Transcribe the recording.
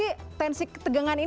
apa sih tensi ketegangan ini